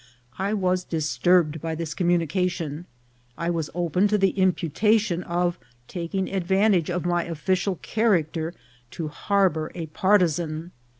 I was disturbed by this communica tion. I was open to the imputation of taking advan tage of my official character to harbour a partisan.